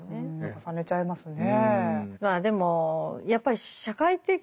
重ねちゃいますね。